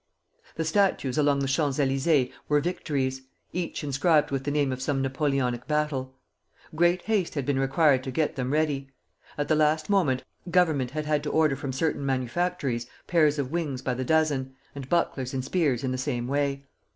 The statues along the Champs Elysées were Victories, each inscribed with the name of some Napoleonic battle. Great haste had been required to get them ready. At the last moment Government had had to order from certain manufactories pairs of wings by the dozen, and bucklers and spears in the same way.